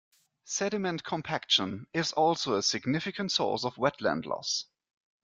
Sediment compaction is also a significant source of wetland loss.